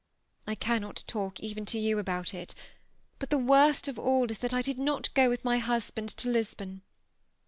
I cannot talk even to you about it ; but the worst of all is, that I did not go with my husband to Lisbon.